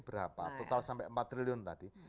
berapa total sampai empat triliun tadi